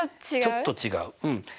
ちょっと違ううん。